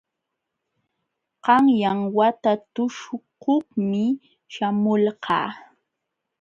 Qanyan wata tuśhukuqmi śhamulqaa.